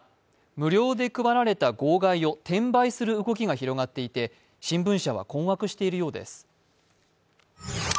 無料で配られた号外を転売する動きが広がっていて新聞社は困惑しているようです。